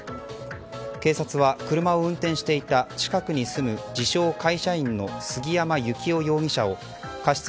警察は車を運転していた近くに住む自称会社員の杉山幸夫容疑者を過失